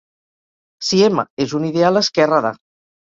Si "M" és un ideal esquerre d'"A".